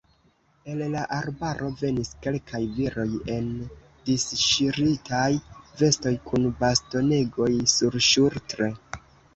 El la arbaro venis kelkaj viroj en disŝiritaj vestoj kun bastonegoj surŝultre.